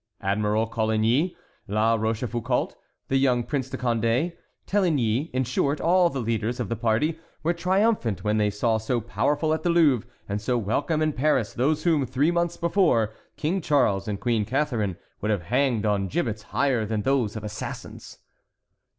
Admiral Coligny, La Rochefoucault, the young Prince de Condé, Téligny,—in short, all the leaders of the party,—were triumphant when they saw so powerful at the Louvre and so welcome in Paris those whom, three months before, King Charles and Queen Catharine would have hanged on gibbets higher than those of assassins.